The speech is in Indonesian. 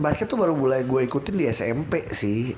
basket tuh baru mulai gue ikutin di smp sih